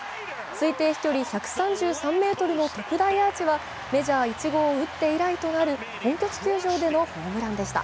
推定飛距離１３３ｍの特大アーチはメジャー１号を打って以来となる本拠地球場でのホームランでした。